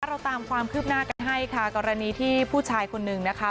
เราตามความคืบหน้ากันให้ค่ะกรณีที่ผู้ชายคนนึงนะคะ